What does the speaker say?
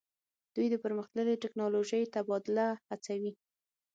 دوی د پرمختللې ټیکنالوژۍ تبادله هڅوي